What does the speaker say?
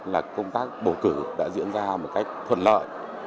là công tác bầu cử đã diễn ra một cách thuận lợi